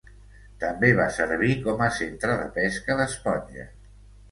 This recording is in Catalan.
També va servir com a centre de pesca d'esponja.